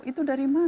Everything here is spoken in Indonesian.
itu dari indonesia